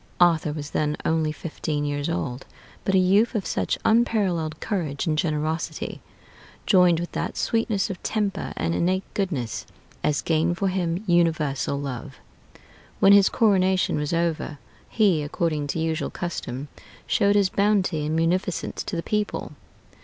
Arthur was then only fifteen years old, but a youth of such unparalleled courage and generosity, joined with that sweetness of temper and innate goodness, as gained for him universal love. When his coronation was over, he, according to usual custom, showed his bounty and munificence to the people.